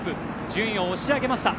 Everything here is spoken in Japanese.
順位を押し上げました。